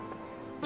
tapi gue gak mau